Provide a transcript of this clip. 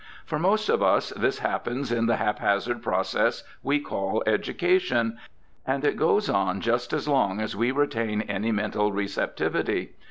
For most of us this happens in the haphazard process we call education, and it goes on just as long as w^e retain any mental receptivity.